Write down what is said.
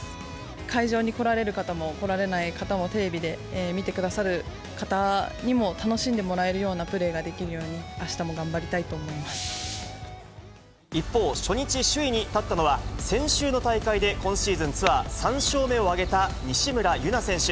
会場に来られる方も来られない方もテレビで見てくださる方にも、楽しんでもらえるようなプレーができるように、一方、初日首位に立ったのは、先週の大会で今シーズンツアー３勝目を挙げた、西村優菜選手。